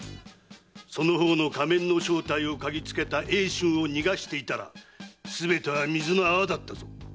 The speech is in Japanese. その方の仮面の正体を嗅ぎつけた英春を逃がしていたらすべては水の泡だったぞ。